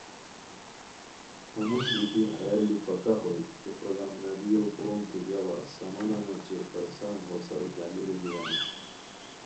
ہموݰ بیتی ہیہ لُو پکہ ہوئے کی غلام نبیو پونتو گیاوا سامانان اوچے پیسان ہوسار گنیرو بیرانی